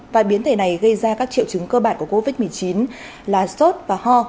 và biến thể này gây ra các triệu chứng cơ bản của covid một mươi chín là sốt và ho